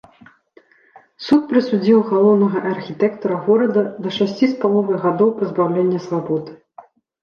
Суд прысудзіў галоўнага архітэктара горада да шасці з паловай гадоў пазбаўлення свабоды.